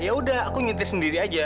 ya udah aku nyetir sendiri aja